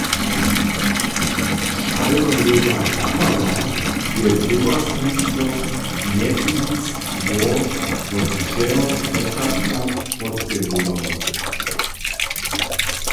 Šalmajowa kapała je towarstwo Njepilic dwór wot wšeho spočatka podpěrowała.